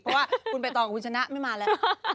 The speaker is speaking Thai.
เพราะว่าคุณใบตองกับคุณชนะไม่มาแล้ว